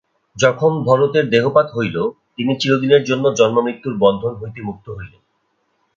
যখন ভরতের দেহপাত হইল, তিনি চিরদিনের জন্য জন্মমৃত্যুর বন্ধন হইতে মুক্ত হইলেন।